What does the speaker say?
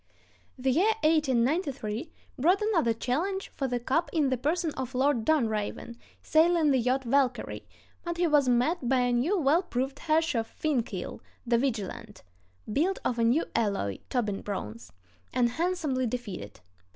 The year 1893 brought another challenge for the cup in the person of Lord Dunraven, sailing the yacht Valkyrie, but he was met by a new, well proved Herreshoff fin keel, the Vigilant (built of a new alloy—Tobin bronze), and handsomely defeated.